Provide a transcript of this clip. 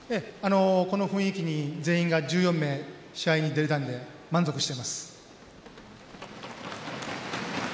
この雰囲気で全員が１４名試合に出れたので満足しています。